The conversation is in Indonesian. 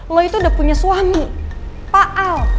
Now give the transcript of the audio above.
lo itu udah punya suami pak al